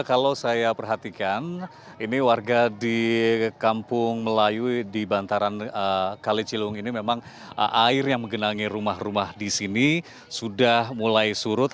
kalau saya perhatikan ini warga di kampung melayu di bantaran kali ciliwung ini memang air yang menggenangi rumah rumah di sini sudah mulai surut